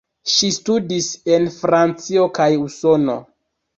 Ŝi studis en Francio kaj Usono.